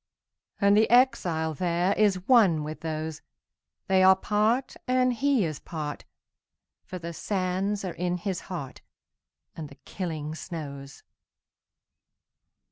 And the exile thereIs one with those; They are part, and he is part, For the sands are in his heart, And the killing snows.